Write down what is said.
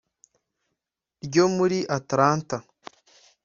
ryo muri Atlanta